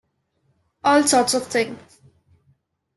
All sorts of things.